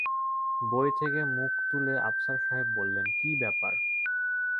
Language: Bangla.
বই থেকে মুখ তুলে আফসার সাহেব বললেন, কি ব্যাপার?